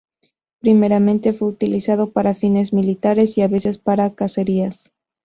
Primeramente fue utilizado para fines militares y a veces para cacerías.